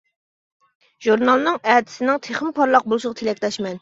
ژۇرنالنىڭ ئەتىسىنىڭ تېخىمۇ پارلاق بولۇشىغا تىلەكداشمەن.